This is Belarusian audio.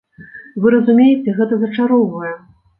Вы разумееце, гэта зачароўвае!